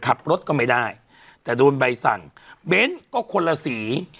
ขับรถก็ไม่ได้แต่โดนใบสั่งเบ้นก็คนละสี